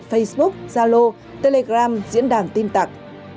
facebook zalo telegram diễn đàn tin tặc